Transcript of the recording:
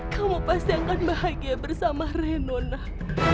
kamu pasti akan bahagia bersama reno nak